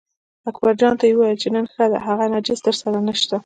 اکبرجان ته یې وویل چې نن ښه ده هغه نجس درسره نشته.